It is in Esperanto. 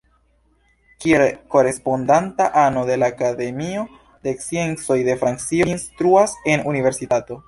Kiel korespondanta ano de la Akademio de Sciencoj de Francio, li instruas en universitato.